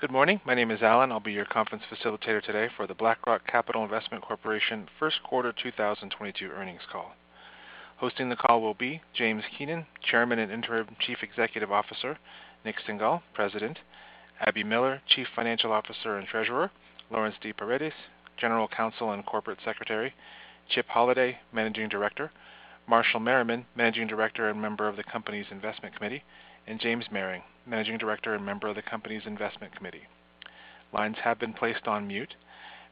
Good morning. My name is Alan. I'll be your conference facilitator today for the BlackRock Capital Investment Corporation Q1 2022 earnings call. Hosting the call will be Jim Keenan, Chairman and Interim Chief Executive Officer, Nik Singhal, President, Abby Miller, Chief Financial Officer and Treasurer, Laurence D. Paredes, General Counsel and Corporate Secretary, Chip Holladay, Managing Director, Marshall Merriman, Managing Director and member of the company's Investment Committee, and Jason Mehring, Managing Director and member of the company's Investment Committee. Lines have been placed on mute.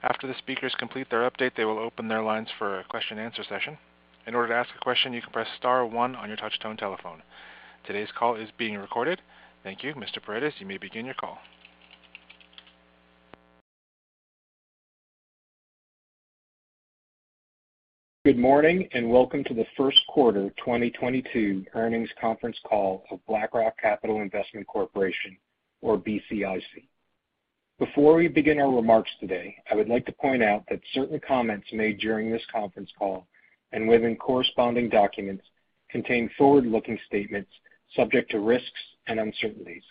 After the speakers complete their update, they will open their lines for a question-answer session. In order to ask a question, you can press star one on your touchtone telephone. Today's call is being recorded. Thank you. Mr. Paredes, you may begin your call. Good morning, and welcome to the Q1 2022 earnings conference call of BlackRock Capital Investment Corporation or BCIC. Before we begin our remarks today, I would like to point out that certain comments made during this conference call and within corresponding documents contain forward-looking statements subject to risks and uncertainties.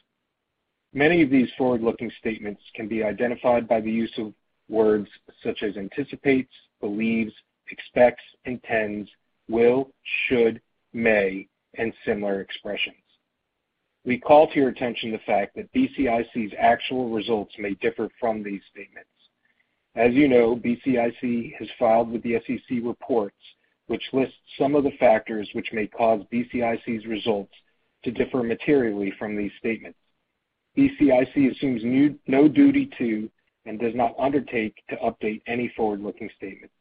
Many of these forward-looking statements can be identified by the use of words such as anticipates, believes, expects, intends, will, should, may, and similar expressions. We call to your attention the fact that BCIC's actual results may differ from these statements. As you know, BCIC has filed with the SEC reports, which lists some of the factors which may cause BCIC's results to differ materially from these statements. BCIC assumes no duty to and does not undertake to update any forward-looking statement.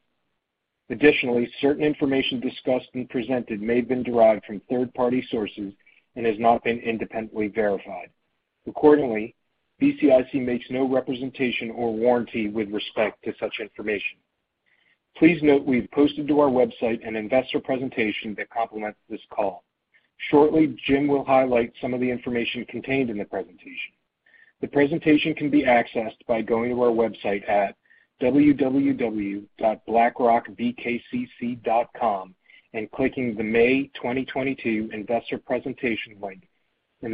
Additionally, certain information discussed and presented may have been derived from third-party sources and has not been independently verified. Accordingly, BCIC makes no representation or warranty with respect to such information. Please note we've posted to our website an investor presentation that complements this call. Shortly, Jim will highlight some of the information contained in the presentation. The presentation can be accessed by going to our website at www.blackrockbkcc.com and clicking the May 2022 investor presentation link in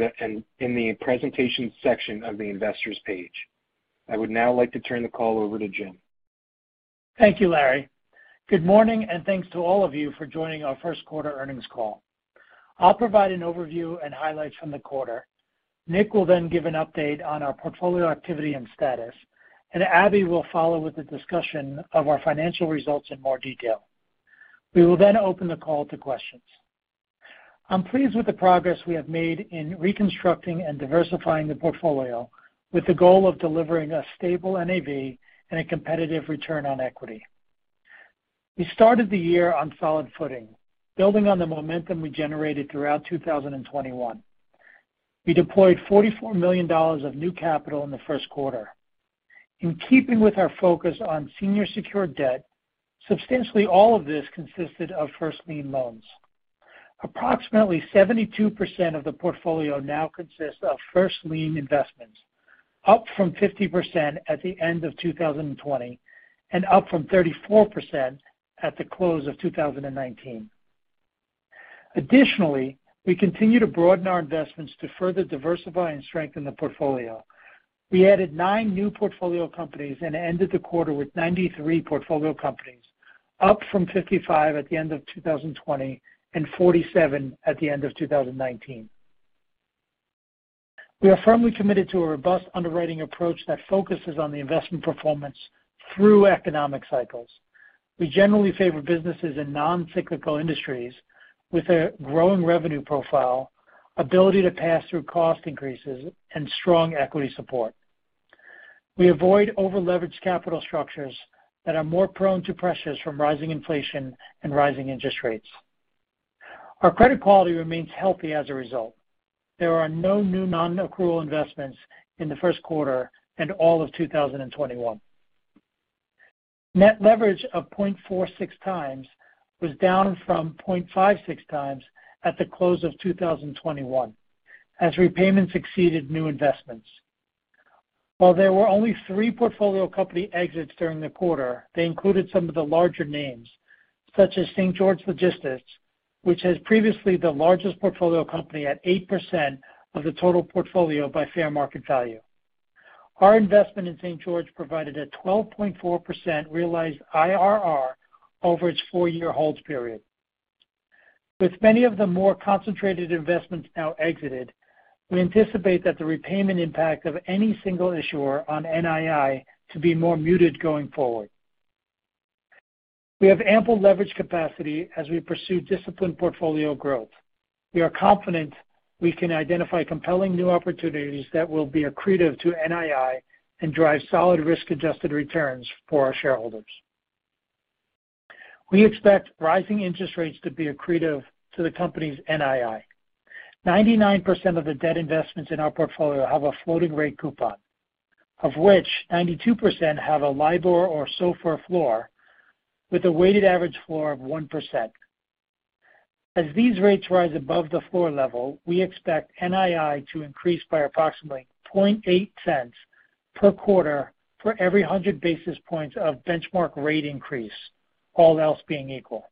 the presentation section of the investor's page. I would now like to turn the call over to Jim. Thank you, Larry. Good morning, and thanks to all of you for joining ourQ1 earnings call. I'll provide an overview and highlights from the quarter. Nik will then give an update on our portfolio activity and status, and Abby will follow with a discussion of our financial results in more detail. We will then open the call to questions. I'm pleased with the progress we have made in reconstructing and diversifying the portfolio with the goal of delivering a stable NAV and a competitive return on equity. We started the year on solid footing, building on the momentum we generated throughout 2021. We deployed $44 million of new capital in the Q1. In keeping with our focus on senior secured debt, substantially all of this consisted of first lien loans. Approximately 72% of the portfolio now consists of first lien investments, up from 50% at the end of 2020, and up from 34% at the end of 2019. Additionally, we continue to broaden our investments to further diversify and strengthen the portfolio. We added nine new portfolio companies and ended the quarter with 93 portfolio companies, up from 55 at the end of 2020 and 47 at the end of 2019. We are firmly committed to a robust underwriting approach that focuses on the investment performance through economic cycles. We generally favor businesses in non-cyclical industries with a growing revenue profile, ability to pass through cost increases, and strong equity support. We avoid over-leveraged capital structures that are more prone to pressures from rising inflation and rising interest rates. Our credit quality remains healthy as a result. There are no new non-accrual investments in the Q1 and all of 2021. Net leverage of 0.46x was down from 0.56x at the close of 2021 as repayments exceeded new investments. While there were only three portfolio company exits during the quarter, they included some of the larger names such as St. George Logistics, which was previously the largest portfolio company at 8% of the total portfolio by fair market value. Our investment in St. George provided a 12.4% realized IRR over its four-year hold period. With many of the more concentrated investments now exited, we anticipate that the repayment impact of any single issuer on NII to be more muted going forward. We have ample leverage capacity as we pursue disciplined portfolio growth. We are confident we can identify compelling new opportunities that will be accretive to NII and drive solid risk-adjusted returns for our shareholders. We expect rising interest rates to be accretive to the company's NII. 99% of the debt investments in our portfolio have a floating rate coupon, of which 92% have a LIBOR or SOFR floor with a weighted average floor of 1%. As these rates rise above the floor level, we expect NII to increase by approximately $0.008 per quarter for every 100 basis points of benchmark rate increase, all else being equal.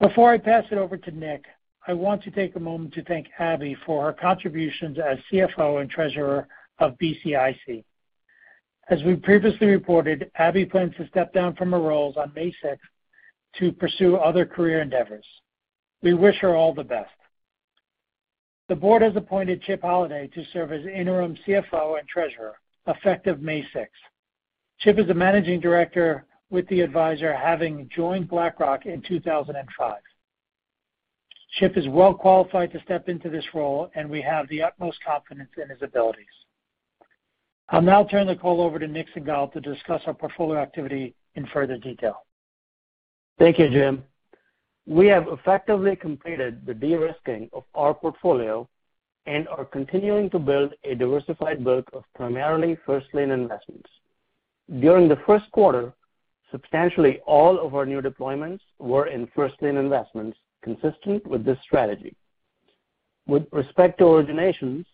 Before I pass it over to Nik, I want to take a moment to thank Abby for her contributions as CFO and Treasurer of BCIC. As we previously reported, Abby plans to step down from her roles on May 6 to pursue other career endeavors. We wish her all the best. The board has appointed Chip Holladay to serve as interim CFO and Treasurer effective May sixth. Chip is a managing director with the advisor, having joined BlackRock in 2005. Chip is well-qualified to step into this role, and we have the utmost confidence in his abilities. I'll now turn the call over to Nik Singhal to discuss our portfolio activity in further detail. Thank you, Jim. We have effectively completed the de-risking of our portfolio and are continuing to build a diversified book of primarily first lien investments. During the Q1, substantially all of our new deployments were in first lien investments consistent with this strategy. With respect to originations,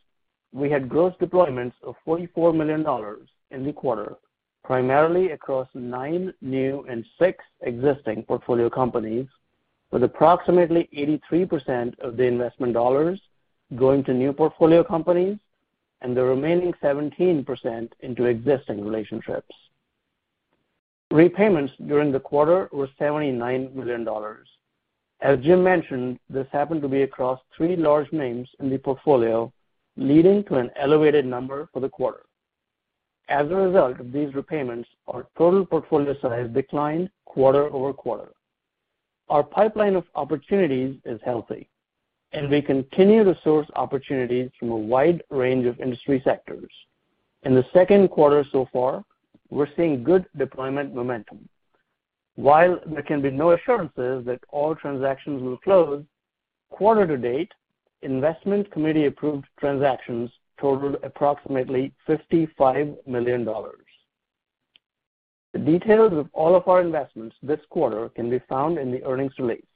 we had gross deployments of $44 million in the quarter, primarily across nine new and six existing portfolio companies, with approximately 83% of the investment dollars going to new portfolio companies and the remaining 17% into existing relationships. Repayments during the quarter were $79 million. As Jim mentioned, this happened to be across three large names in the portfolio, leading to an elevated number for the quarter. As a result of these repayments, our total portfolio size declined quarter-over-quarter. Our pipeline of opportunities is healthy, and we continue to source opportunities from a wide range of industry sectors. In the Q2 so far, we're seeing good deployment momentum. While there can be no assurances that all transactions will close, quarter to date, investment committee approved transactions totaled approximately $55 million. The details of all of our investments this quarter can be found in the earnings release,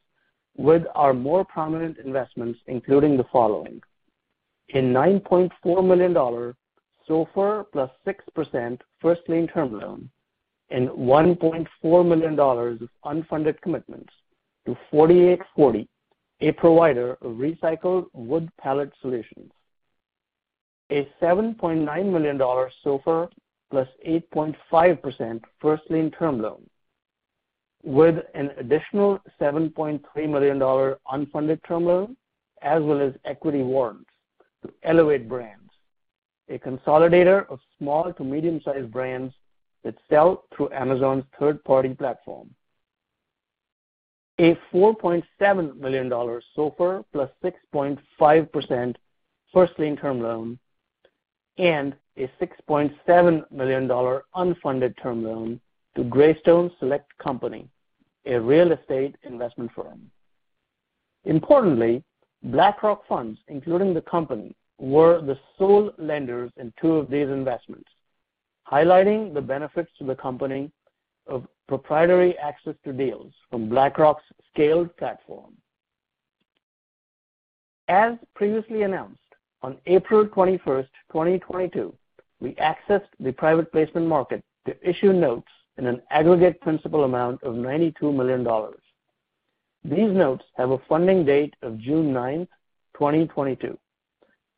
with our more prominent investments including the following. A $9.4 million SOFR plus 6% first lien term loan and $1.4 million of unfunded commitments to 48forty Solutions, a provider of recycled wood pallet solutions. A $7.9 million SOFR plus 8.5% first lien term loan with an additional $7.3 million unfunded term loan as well as equity warrants to Elevate Brands, a consolidator of small to medium-sized brands that sell through Amazon's third-party platform. A $4.7 million SOFR plus 6.5% first lien term loan and a $6.7 million unfunded term loan to Greystone Select, a real estate investment firm. Importantly, BlackRock funds, including the company, were the sole lenders in two of these investments, highlighting the benefits to the company of proprietary access to deals from BlackRock's scaled platform. Previously announced, on April 21, 2022, we accessed the private placement market to issue notes in an aggregate principal amount of $92 million. These notes have a funding date of June 9, 2022.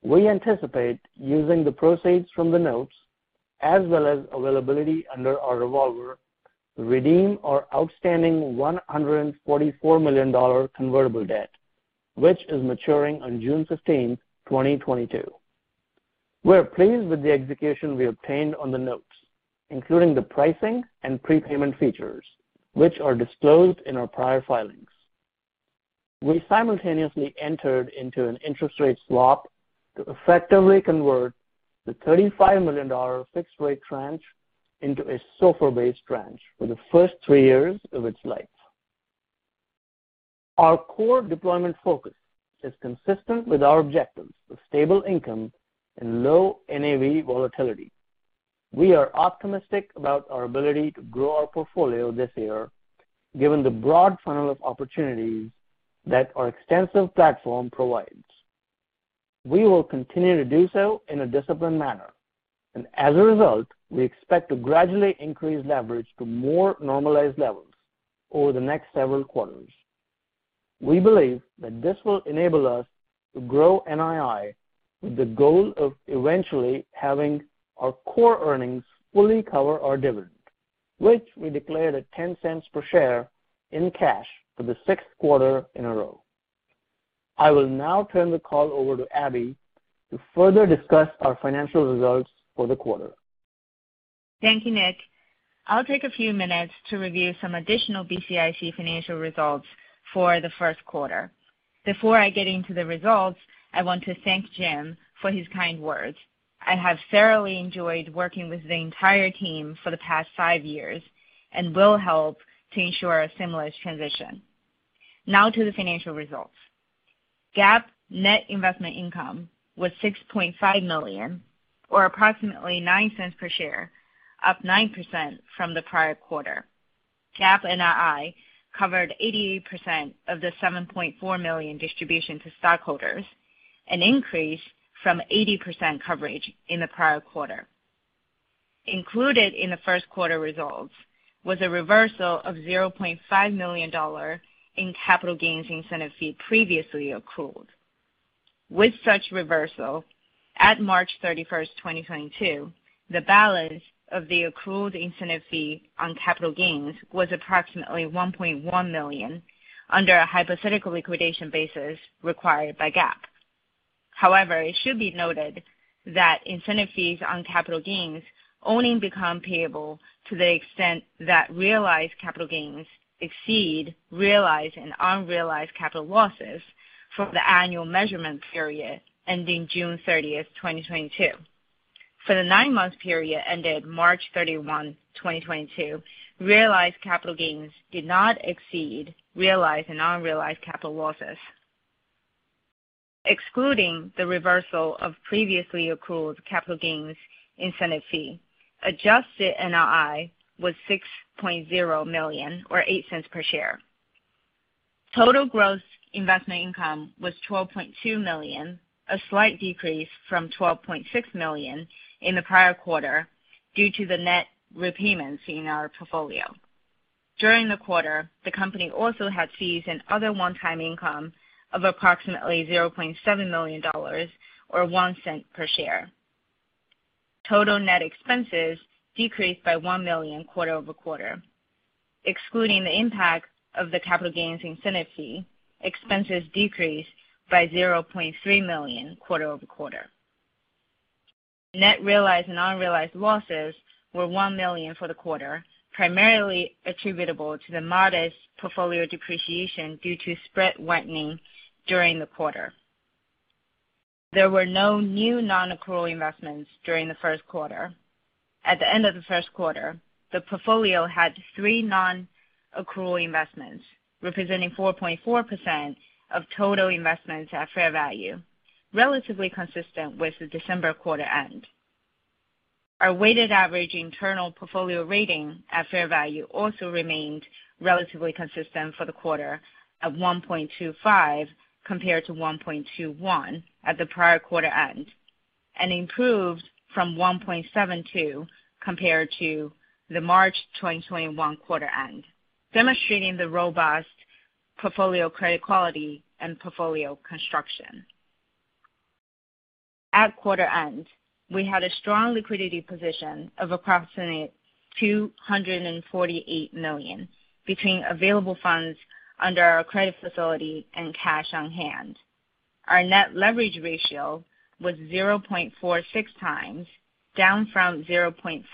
We anticipate using the proceeds from the notes as well as availability under our revolver to redeem our outstanding $144 million convertible debt, which is maturing on June 15, 2022. We're pleased with the execution we obtained on the notes, including the pricing and prepayment features, which are disclosed in our prior filings. We simultaneously entered into an interest rate swap to effectively convert the $35 million fixed rate tranche into a SOFR-based tranche for the first three years of its life. Our core deployment focus is consistent with our objectives of stable income and low NAV volatility. We are optimistic about our ability to grow our portfolio this year, given the broad funnel of opportunities that our extensive platform provides. We will continue to do so in a disciplined manner. As a result, we expect to gradually increase leverage to more normalized levels over the next several quarters. We believe that this will enable us to grow NII with the goal of eventually having our core earnings fully cover our dividend, which we declared at $0.10 per share in cash for the sixth quarter in a row. I will now turn the call over to Abby to further discuss our financial results for the quarter. Thank you, Nik. I'll take a few minutes to review some additional BCIC financial results for the Q1. Before I get into the results, I want to thank Jim for his kind words. I have thoroughly enjoyed working with the entire team for the past five years and will help to ensure a seamless transition. Now to the financial results. GAAP net investment income was $6.5 million or approximately $0.09 per share, up 9% from the prior quarter. GAAP NII covered 88% of the $7.4 million distribution to stockholders, an increase from 80% coverage in the prior quarter. Included in the Q1 results was a reversal of $0.5 million in capital gains incentive fee previously accrued. With such reversal, at March 31, 2022, the balance of the accrued incentive fee on capital gains was approximately $1.1 million under a hypothetical liquidation basis required by GAAP. However, it should be noted that incentive fees on capital gains only become payable to the extent that realized capital gains exceed realized and unrealized capital losses for the annual measurement period ending June 30, 2022. For the nine-month period ended March 31, 2022, realized capital gains did not exceed realized and unrealized capital losses. Excluding the reversal of previously accrued capital gains incentive fee, adjusted NII was $6.0 million or $0.08 per share. Total gross investment income was $12.2 million, a slight decrease from $12.6 million in the prior quarter due to the net repayments in our portfolio. During the quarter, the company also had fees and other one-time income of approximately $0.7 million or $0.01 per share. Total net expenses decreased by $1 million quarter-over-quarter. Excluding the impact of the capital gains incentive fee, expenses decreased by $0.3 million quarter-over-quarter. Net realized and unrealized losses were $1 million for the quarter, primarily attributable to the modest portfolio depreciation due to spread widening during the quarter. There were no new non-accrual investments during the Q1. At the end of the Q1, the portfolio had three non-accrual investments, representing 4.4% of total investments at fair value, relatively consistent with the December quarter end. Our weighted average internal portfolio rating at fair value also remained relatively consistent for the quarter at 1.25 compared to 1.21 at the prior quarter end, and improved from 1.72 compared to the March 2021 quarter end, demonstrating the robust portfolio credit quality and portfolio construction. At quarter end, we had a strong liquidity position of approximately $248 million between available funds under our credit facility and cash on hand. Our net leverage ratio was 0.46 times, down from 0.56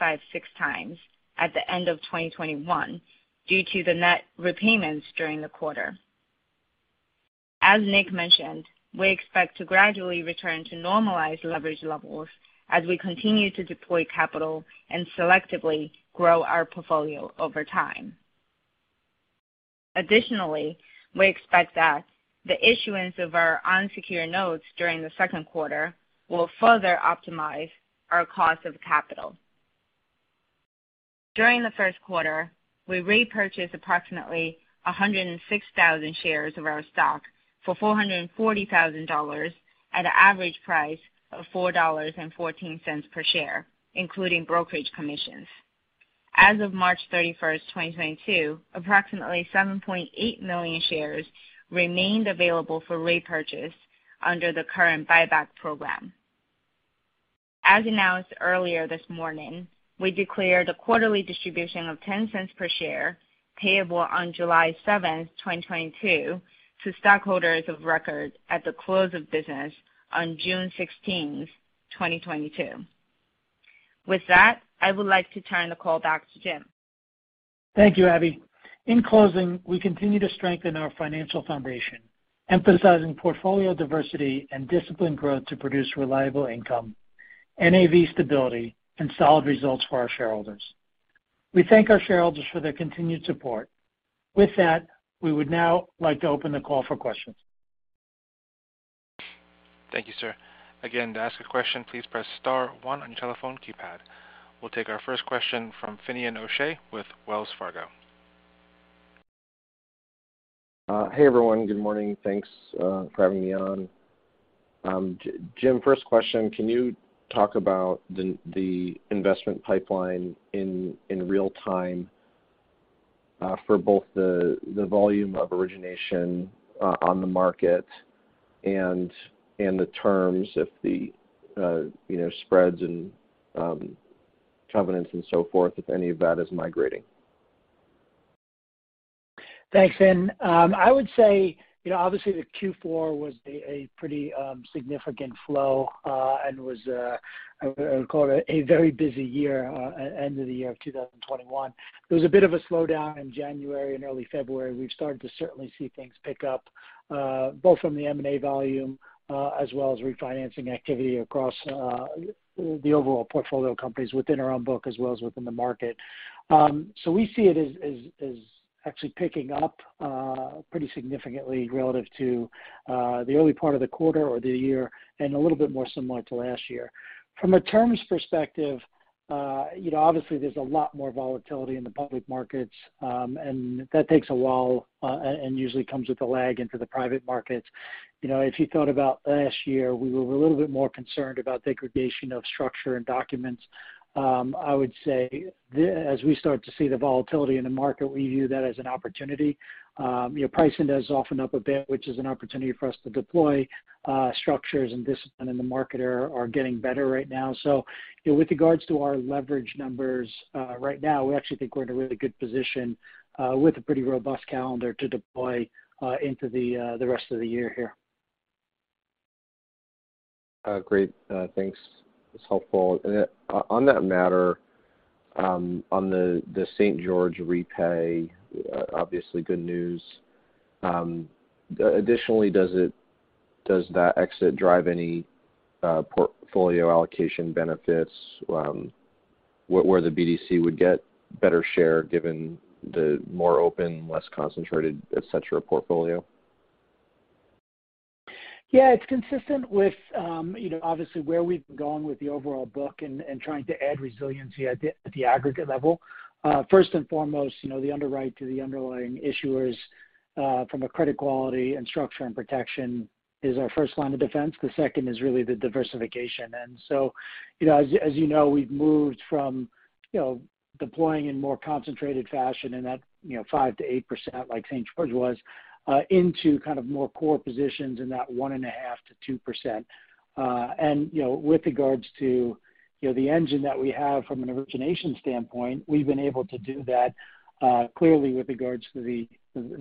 times at the end of 2021 due to the net repayments during the quarter. As Nik mentioned, we expect to gradually return to normalized leverage levels as we continue to deploy capital and selectively grow our portfolio over time. Additionally, we expect that the issuance of our unsecured notes during the Q2 will further optimize our cost of capital. During the Q1, we repurchased approximately 106,000 shares of our stock for $440,000 at an average price of $4.14 per share, including brokerage commissions. As of March 31, 2022, approximately 7.8 million shares remained available for repurchase under the current buyback program. As announced earlier this morning, we declared a quarterly distribution of $0.10 per share, payable on July 7, 2022, to stockholders of record at the close of business on June 16, 2022. With that, I would like to turn the call back to Jim. Thank you, Abby. In closing, we continue to strengthen our financial foundation, emphasizing portfolio diversity and disciplined growth to produce reliable income, NAV stability, and solid results for our shareholders. We thank our shareholders for their continued support. With that, we would now like to open the call for questions. Thank you, sir. Again, to ask a question, please press star one on your telephone keypad. We'll take our first question from Finian O'Shea with Wells Fargo. Hey, everyone. Good morning. Thanks for having me on. Jim, first question: Can you talk about the investment pipeline in real time for both the volume of origination on the market and the terms, if you know, spreads and covenants and so forth, if any of that is migrating? Thanks, Fin. I would say, you know, obviously, the Q4 was a pretty significant flow, and I would call it a very busy year, end of the year of 2021. There was a bit of a slowdown in January and early February. We've started to certainly see things pick up, both from the M&A volume, as well as refinancing activity across the overall portfolio companies within our own book, as well as within the market. We see it as actually picking up pretty significantly relative to the early part of the quarter or the year, and a little bit more similar to last year. From a terms perspective, you know, obviously there's a lot more volatility in the public markets, and that takes a while, and usually comes with a lag into the private markets. You know, if you thought about last year, we were a little bit more concerned about degradation of structure and documents. I would say as we start to see the volatility in the market, we view that as an opportunity. You know, pricing has softened up a bit, which is an opportunity for us to deploy, structures and discipline in the market are getting better right now. You know, with regards to our leverage numbers, right now, we actually think we're in a really good position, with a pretty robust calendar to deploy, into the rest of the year here. Great. Thanks. It's helpful. On that matter, on the St. George repay, obviously good news. Additionally, does that exit drive any portfolio allocation benefits, where the BDC would get better share given the more open, less concentrated, et cetera, portfolio? Yeah. It's consistent with, you know, obviously where we've been going with the overall book and trying to add resiliency at the aggregate level. First and foremost, you know, the underwriting to the underlying issuers from a credit quality and structure and protection is our first line of defense. The second is really the diversification. You know, as you know, we've moved from, you know, deploying in more concentrated fashion in that, you know, 5%-8% like St. George was into kind of more core positions in that 1.5%-2%. You know, with regards to, you know, the engine that we have from an origination standpoint, we've been able to do that clearly with regards to the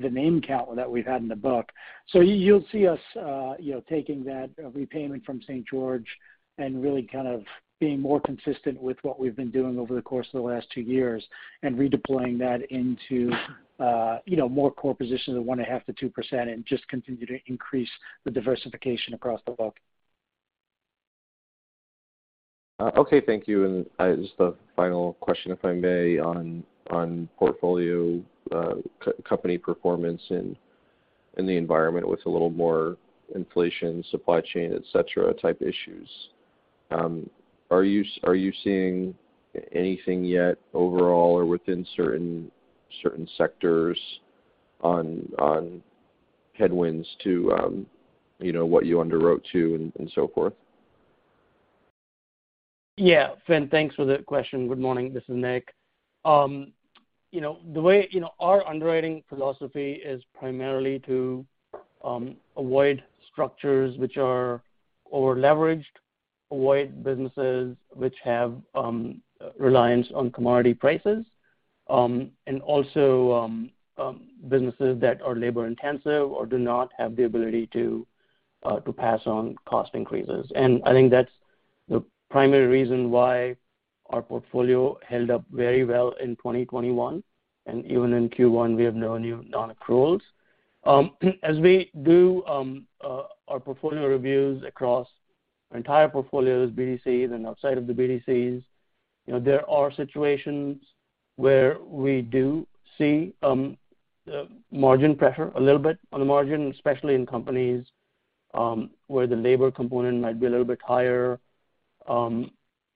name count that we've had in the book. You'll see us, you know, taking that repayment from St. George and really kind of being more consistent with what we've been doing over the course of the last two years and redeploying that into, you know, more core positions of 1.5%-2% and just continue to increase the diversification across the book. Okay. Thank you. Just the final question, if I may, on portfolio company performance in the environment with a little more inflation, supply chain, et cetera, type issues. Are you seeing anything yet overall or within certain sectors on headwinds to you know what you underwrote to and so forth? Yeah. Fin, thanks for the question. Good morning. This is Nik. You know, our underwriting philosophy is primarily to avoid structures which are over-leveraged, avoid businesses which have reliance on commodity prices, and also businesses that are labor-intensive or do not have the ability to pass on cost increases. I think that's the primary reason why our portfolio held up very well in 2021. Even in Q1, we have no new non-accruals. Our portfolio reviews across our entire portfolios, BDCs and outside of the BDCs, you know, there are situations where we do see margin pressure a little bit on the margin, especially in companies where the labor component might be a little bit higher.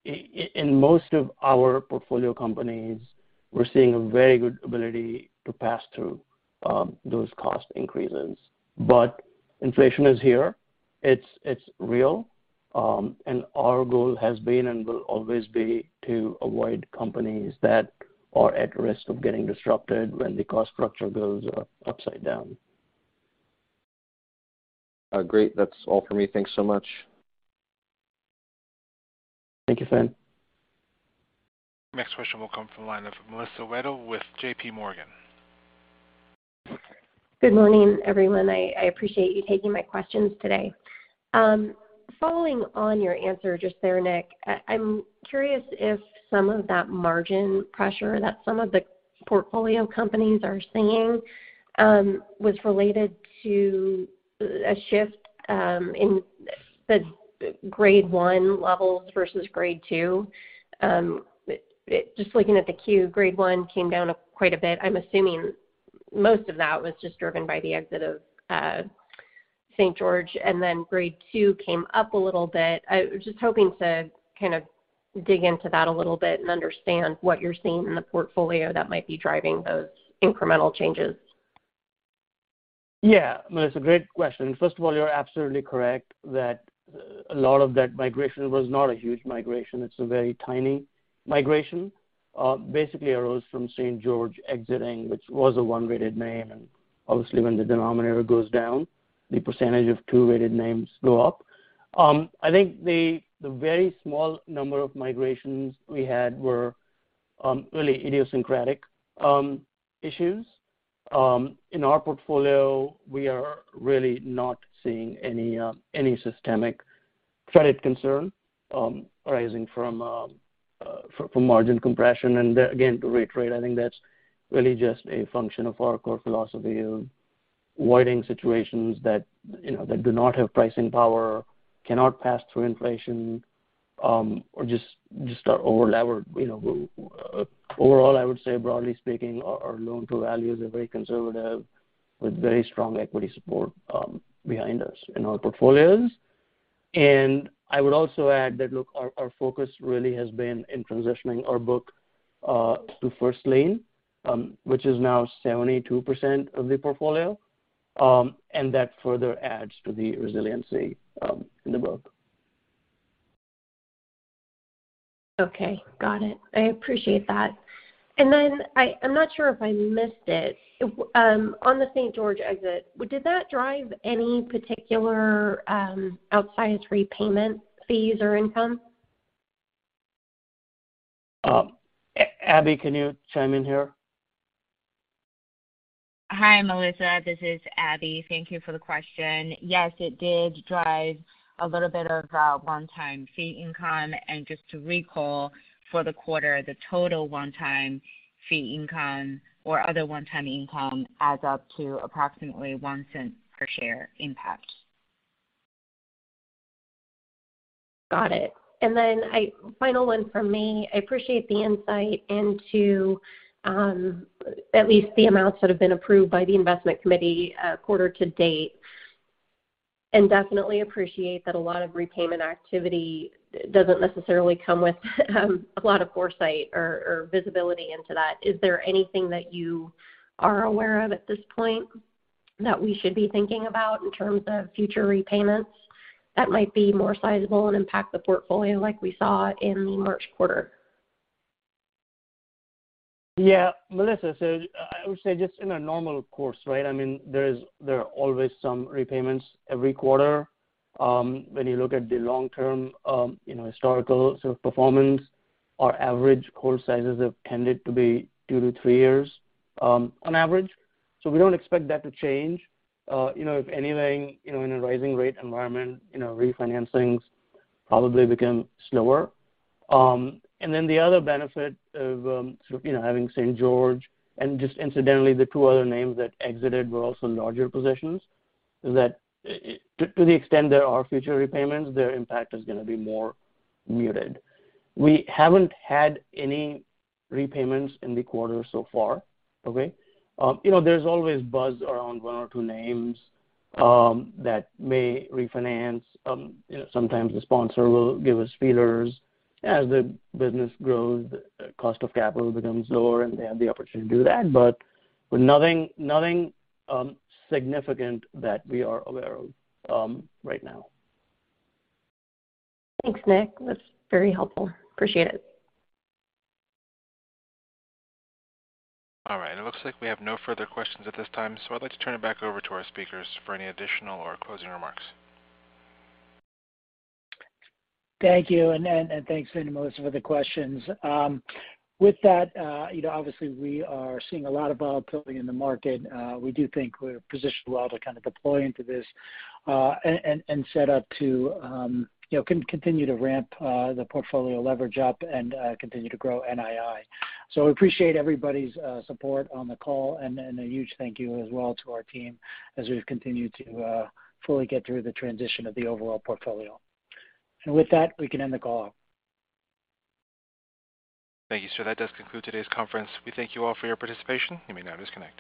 In most of our portfolio companies, we're seeing a very good ability to pass through those cost increases. Inflation is here. It's real. Our goal has been and will always be to avoid companies that are at risk of getting disrupted when the cost structure goes upside down. Great. That's all for me. Thanks so much. Thank you, Finn. Next question will come from the line of Melissa Wedel with JPMorgan. Good morning, everyone. I appreciate you taking my questions today. Following on your answer just there, Nik, I'm curious if some of that margin pressure that some of the portfolio companies are seeing was related to a shift in the Grade 1 levels versus Grade 2. Just looking at the Q, Grade 1 came down quite a bit. I'm assuming most of that was just driven by the exit of St. George, and then Grade 2 came up a little bit. I was just hoping to kind of dig into that a little bit and understand what you're seeing in the portfolio that might be driving those incremental changes. Yeah. Melissa, great question. First of all, you're absolutely correct that a lot of that migration was not a huge migration. It's a very tiny migration, basically arose from St. George exiting, which was a one-rated name. Obviously, when the denominator goes down, the percentage of two-rated names go up. I think the very small number of migrations we had were really idiosyncratic issues. In our portfolio, we are really not seeing any systemic credit concern arising from margin compression. Again, to reiterate, I think that's really just a function of our core philosophy of avoiding situations that, you know, that do not have pricing power, cannot pass through inflation, or just are over-levered. You know, overall, I would say broadly speaking, our loan to value is a very conservative with very strong equity support behind us in our portfolios. I would also add that, look, our focus really has been in transitioning our book to first lien, which is now 72% of the portfolio. That further adds to the resiliency in the book. Okay. Got it. I appreciate that. I'm not sure if I missed it. On the St. George exit, did that drive any particular, outsized repayment fees or income? Abby, can you chime in here? Hi, Melissa, this is Abby. Thank you for the question. Yes, it did drive a little bit of one-time fee income. Just to recall, for the quarter, the total one-time fee income or other one-time income adds up to approximately $0.01 per share impact. Got it. Then my final one from me. I appreciate the insight into at least the amounts that have been approved by the investment committee quarter to date. Definitely appreciate that a lot of repayment activity doesn't necessarily come with a lot of foresight or visibility into that. Is there anything that you are aware of at this point that we should be thinking about in terms of future repayments that might be more sizable and impact the portfolio like we saw in the March quarter? Yeah. Melissa, so I would say just in a normal course, right? I mean, there are always some repayments every quarter. When you look at the long-term, you know, historical sort of performance, our average call sizes have tended to be two-three years, on average. We don't expect that to change. You know, if anything, you know, in a rising rate environment, you know, refinancings probably become slower. The other benefit of, you know, having St. George and just incidentally, the two other names that exited were also larger positions, is that, to the extent there are future repayments, their impact is gonna be more muted. We haven't had any repayments in the quarter so far. Okay. You know, there's always buzz around one or two names, that may refinance. You know, sometimes the sponsor will give us feelers. As the business grows, cost of capital becomes lower, and they have the opportunity to do that, but nothing significant that we are aware of, right now. Thanks, Nik. That's very helpful. Appreciate it. All right. It looks like we have no further questions at this time, so I'd like to turn it back over to our speakers for any additional or closing remarks. Thank you. Thanks again to Melissa for the questions. With that, you know, obviously we are seeing a lot of volatility in the market. We do think we're positioned well to kind of deploy into this, and set up to, you know, continue to ramp the portfolio leverage up and continue to grow NII. We appreciate everybody's support on the call, and a huge thank you as well to our team as we've continued to fully get through the transition of the overall portfolio. With that, we can end the call. Thank you, sir. That does conclude today's conference. We thank you all for your participation. You may now disconnect.